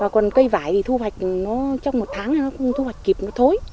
còn cây vải thì thu hoạch trong một tháng thì nó không thu hoạch kịp nó thối